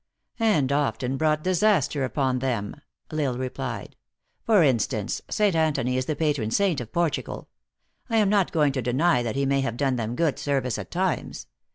" And often brought disaster upon them," L Isle re plied. " For instance, St. Antony is the patron saint of Portugal. I am not going to deny that he may have done them good service at times.